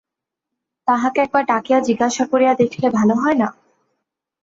তাঁহাকে একবার ডাকিয়া জিজ্ঞাসা করিয়া দেখিলে ভালো হয় না?